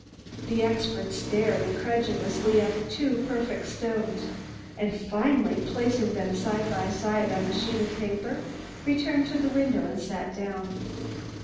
The expert stared incredulously at the two perfect stones and finally, placing them side by side on a sheet of paper, returned to the window and sat down.